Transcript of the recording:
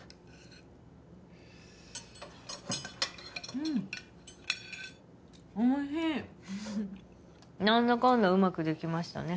うんおいしいなんだかんだうまくできましたね